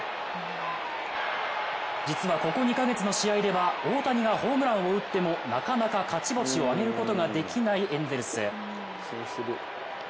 実はここ２カ月の試合では大谷がホームランを打ってもなかなか勝ち星を挙げることができないエンゼルス。